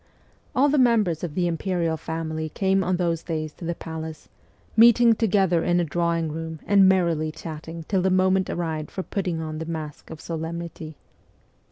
All the members of the imperial family came on those days to the palace, meeting together in a drawing room and merrily chatting till the moment arrived for putting on the mask of solemnity.